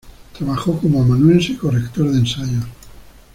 Trabajó como amanuense y corrector de ensayos.